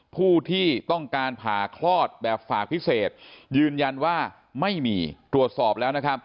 ผู้ที่ต้องการผ่าคลอดแบบฝากพิเศษยืนยันว่าไม่มีตรวจสอบแล้วนะครับ